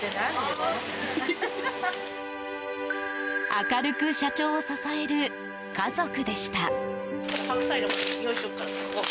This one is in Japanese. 明るく社長を支える家族でした。